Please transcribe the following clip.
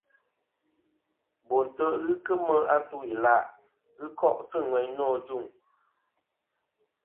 Bo ntè' ghɨ kemɨ atu-ila' ghɨ ko'sɨ ŋweyn nô ajuŋ.